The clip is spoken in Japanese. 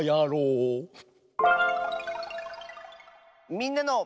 「みんなの」。